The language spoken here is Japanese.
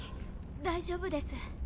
大丈夫です。